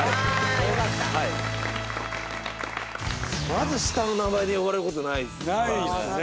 まず下の名前で呼ばれることないですからね。